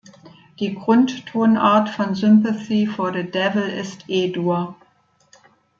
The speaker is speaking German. Die Grundtonart von "Sympathy for the Devil" ist E-Dur.